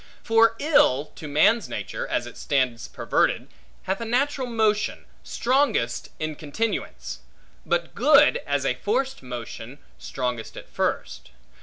For ill, to man's nature, as it stands perverted, hath a natural motion, strongest in continuance; but good, as a forced motion, strongest at first.